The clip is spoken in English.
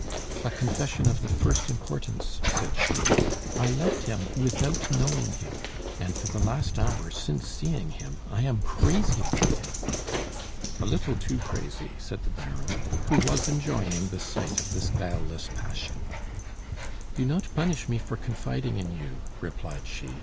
"A confession of the first importance," said she. "I loved him without knowing him; and, for the last hour, since seeing him, I am crazy about him." "A little too crazy!" said the Baron, who was enjoying the sight of this guileless passion. "Do not punish me for confiding in you," replied she.